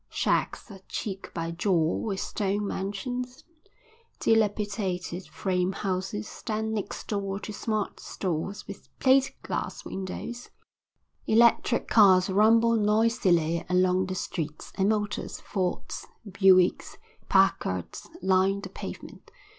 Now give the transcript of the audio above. Shacks are cheek by jowl with stone mansions; dilapidated frame houses stand next door to smart stores with plate glass windows; electric cars rumble noisily along the streets; and motors, Fords, Buicks, Packards, line the pavement.